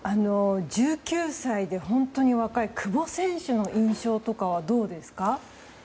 ２０歳で本当に若い久保選手の印象とかはどうですか？